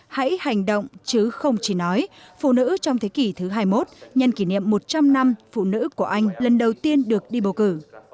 hãy hành động chứ không chỉ nói phụ nữ trong thế kỷ thứ hai mươi một nhân kỷ niệm một trăm linh năm phụ nữ của anh lần đầu tiên được đi bầu cử